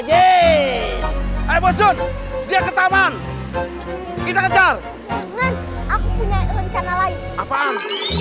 jenis heboh sus dia ketahuan kita kejar aku punya rencana lain apaan